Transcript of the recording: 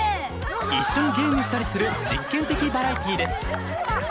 一緒にゲームしたりする実験的バラエティーです。